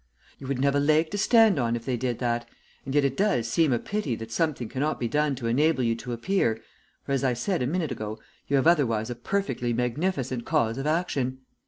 You wouldn't have a leg to stand on if they did that, and yet it does seem a pity that something cannot be done to enable you to appear, for as I said a minute ago, you have otherwise a perfectly magnificent cause of action.